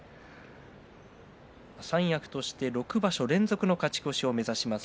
三役として６場所連続の勝ち越しを目指します。